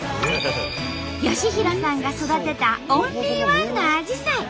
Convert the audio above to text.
良浩さんが育てたオンリーワンのアジサイ。